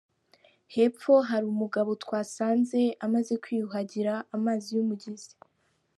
Hepfo hari umugabo twasanze amaze kwiyuhagira amazi y’uyu mugezi.